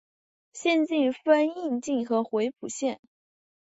县境分属鄞县和回浦县。